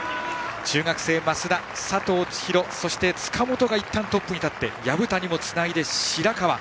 中学生の増田、佐藤千紘塚本がいったんトップに立って薮谷もつないで白川。